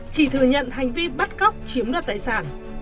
chỉ thừa nhận hành vi bắt cóc chiếm đoạt tài sản